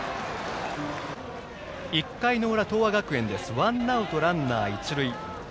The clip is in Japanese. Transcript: １回の裏、東亜学園ワンアウトランナー、一塁。